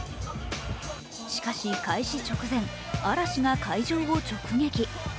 しかし、開始直前嵐が会場を直撃。